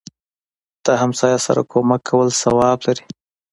دهمسایه سره کومک کول ثواب لري